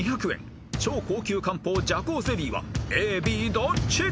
［超高級漢方麝香ゼリーはＡＢどっち？］